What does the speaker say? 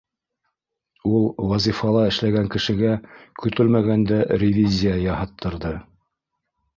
Ул вазифала эшләгән кешегә көтөлмәгәндә ревизия яһаттырҙы.